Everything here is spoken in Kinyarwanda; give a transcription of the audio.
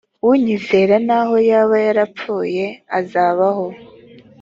unyizera naho yaba yarapfuye azabaho